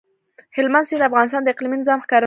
هلمند سیند د افغانستان د اقلیمي نظام ښکارندوی ده.